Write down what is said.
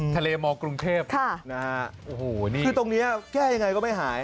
มกรุงเทพนะฮะโอ้โหนี่คือตรงนี้แก้ยังไงก็ไม่หาย